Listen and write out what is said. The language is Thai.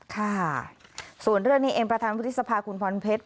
ค่ะส่วนเรื่องนี้เองประธานวุฒิสภาคุณพรเพชร